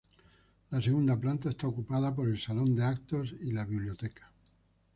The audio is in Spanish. La segunda planta está ocupada por el salón de actos y la biblioteca.